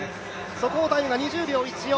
速報タイムが２０秒９４。